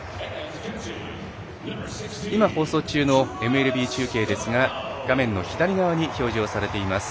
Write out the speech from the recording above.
今放送中のＭＬＢ中継ですが画面左に表示されています